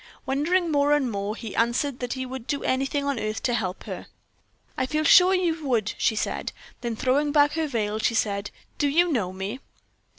Wondering more and more, he answered that he would do anything on earth to help her. "I feel sure you would," she said; then throwing back her veil, she asked: "Do you know me?"